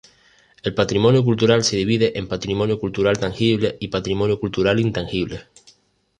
El patrimonio cultural se divide en patrimonio cultural tangible y patrimonio cultural intangible.